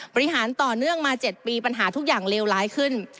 บริหารต่อเนื่องมา๗ปีปัญหาทุกอย่างเลวร้ายขึ้น